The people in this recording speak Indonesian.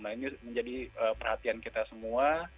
nah ini menjadi perhatian kita semua